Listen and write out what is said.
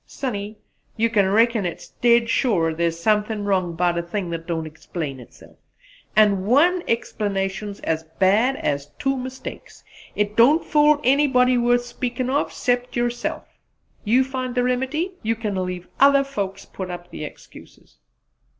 "Sonny, you kin reckon it dead sure thar's something wrong 'bout a thing that don't explain itself; an' one explanation's as bad as two mistakes it don't fool anybody worth speaking of, 'cept yerself. You find the remedy; you can leave other folks put up the excuses."